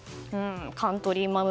カントリーマアム。